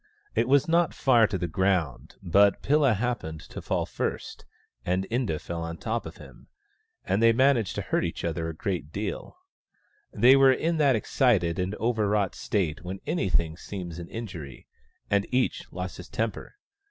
It was not far to the ground, but Pilla happened to fall first, and Inda fell on top of him, and they managed to hurt each other a good deal. They were in that excited and over wrought state when anything seems an injury, and each lost his temper.